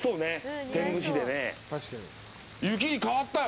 雪に変わったよ。